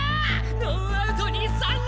ノーアウト二三塁！